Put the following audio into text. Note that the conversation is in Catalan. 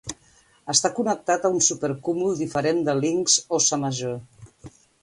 Està connectat a un supercúmul diferent de Linx-Óssa Major.